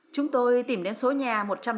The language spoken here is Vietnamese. chúng tôi tìm đến số nhà một trăm năm mươi